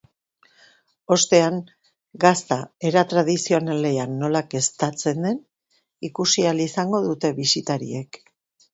Ostean, gazta era tradizionalean nola keztatzen den ikusi ahal izango dute bisitariek.